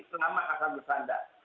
selama akan bersandar